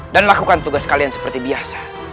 dan lakukan tugas kalian seperti biasa